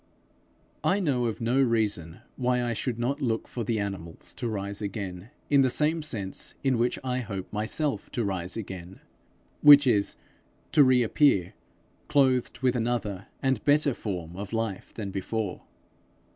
I know of no reason why I should not look for the animals to rise again, in the same sense in which I hope myself to rise again which is, to reappear, clothed with another and better form of life than before.